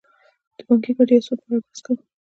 د بانکي ګټې یا سود په اړه بحث کوو